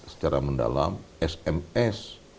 secara mendalam sms